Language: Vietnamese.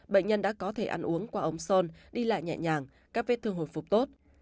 bệnh nhân đã có thể ăn uống qua ông son đi lại nhẹ nhàng các vết thương hồi phục tốt